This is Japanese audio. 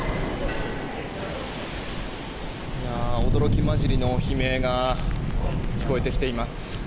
驚き交じりの悲鳴が聞こえてきています。